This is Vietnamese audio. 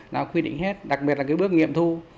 nào quy định hết đặc biệt là cái bước nghiệm thu